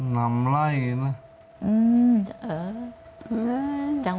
นำไล่นะ